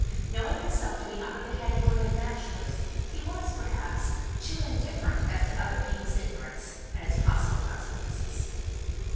Knowing himself to be out of the category of bachelors, he was, perhaps, too indifferent as to other people's ignorance, and its possible consequences.